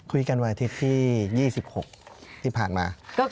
คุยกันวันอาทิตย์ที่๒๖ที่ผ่านมา